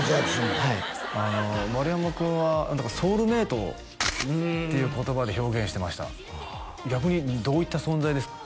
はい丸山君は「ソウルメイト」っていう言葉で表現してました逆にどういった存在ですか？